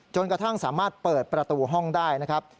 จนกระทั่งสามารถเปิดประตูห้องได้นะครับ